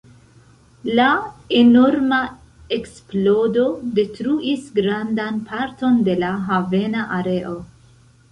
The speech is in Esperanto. La enorma eksplodo detruis grandan parton de la havena areo.